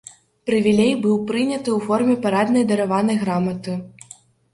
Прывілей быў прыняты ў форме параднай дараванай граматы.